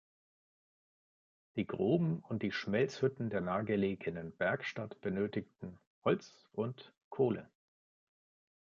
Die Gruben und die Schmelzhütten der nahegelegenen Bergstadt benötigten Holz und Kohle.